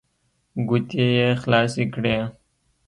ګوتې يې خلاصې کړې.